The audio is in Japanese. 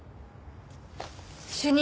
主任！